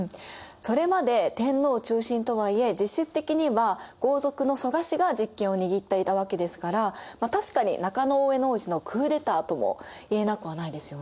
それまで天皇中心とはいえ実質的には豪族の蘇我氏が実権を握っていたわけですから確かに中大兄皇子のクーデターともいえなくはないですよね。